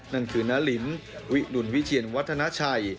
นั่นคือนาลินวิดุลวิเชียนวัฒนาชัย